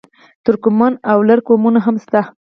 ترکمن او لر قومونه هم شته.